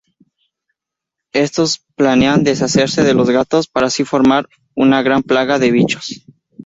Estos planean deshacerse de los gatos para así formar una gran plaga de bichos.